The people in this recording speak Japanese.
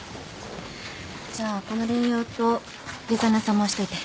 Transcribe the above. じゃあこのレイアウトデザイナーさん回しといて。